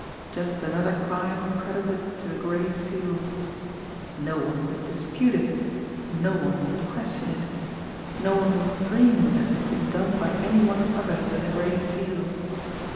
Just another crime credited to the Gray Seal! No one would dispute it; no one would question it; no one would dream that it had been done by any one other than the Gray Seal.